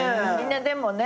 でもね